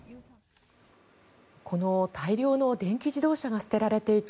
この大量の電気自動車が捨てられていた